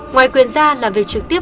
ngoài quyền gia làm việc trực tiếp